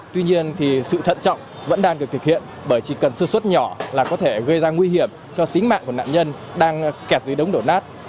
tuy nhiên sự thận trọng vẫn đang được thực hiện bởi chỉ cần sơ suất nhỏ là có thể gây ra nguy hiểm cho tính mạng của nạn nhân đang kẹt dưới đống đổ nát